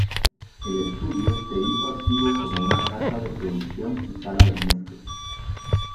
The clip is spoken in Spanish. El estudio se hizo activo como una casa de producción y sala de mezcla.